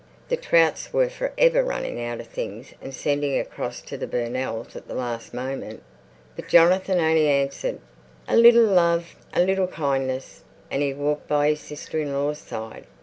The Trouts were for ever running out of things and sending across to the Burnells' at the last moment. But Jonathan only answered, "A little love, a little kindness;" and he walked by his sister in law's side.